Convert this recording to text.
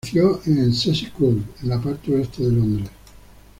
Nació en Cecil Court en la parte oeste de Londres.